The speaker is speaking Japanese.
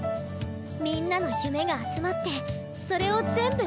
みんなの夢が集まってそれを全部叶える場所。